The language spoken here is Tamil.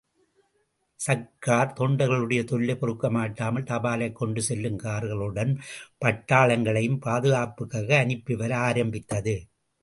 சர்க்கார், தொண்டர்களுடைய தொல்லை பொறுக்கமாட்டாமல் தபாலைக் கொண்டு செல்லும் கார்களுடன் பட்டாளங்களையும் பாதுகாப்புக்காக அனுப்பிவர ஆரம்பித்தது.